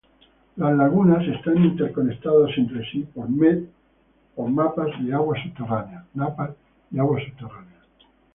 Las lagunas están interconectadas entre sí por napas de aguas subterráneas.